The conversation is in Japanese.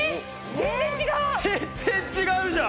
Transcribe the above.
全然違うじゃん！